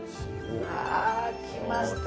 うわ、きました。